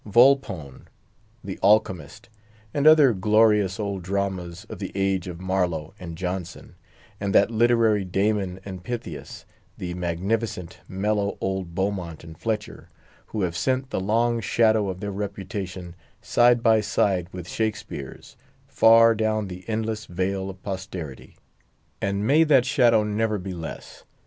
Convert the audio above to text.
"Volpone," "The Alchymist," and other glorious old dramas of the age of Marlow and Jonson, and that literary Damon and Pythias, the magnificent, mellow old Beaumont and Fletcher, who have sent the long shadow of their reputation, side by side with Shakspeare's, far down the endless vale of posterity. And may that shadow never be less!